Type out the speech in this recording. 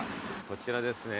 こちらですね。